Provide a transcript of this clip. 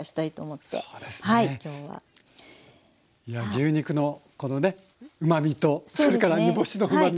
牛肉のこのねうまみとそれから煮干しのうまみ。